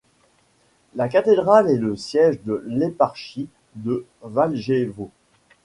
La cathédrale est le siège de l'éparchie de Valjevo.